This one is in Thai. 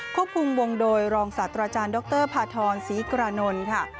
ควบคุมวงโดยรองศาสตราจารย์ดรพาทรศรีกรานนท์ค่ะ